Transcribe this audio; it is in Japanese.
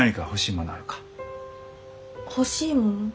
欲しいもの？